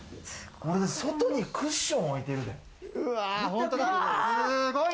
外にクッション置いてるで。